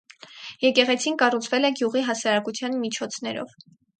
Եկեղեցին կառուցվել է գյուղի հասարակության միջոցներով։